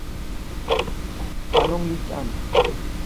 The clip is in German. Spannung liegt an.